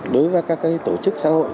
đối với các tổ chức xã hội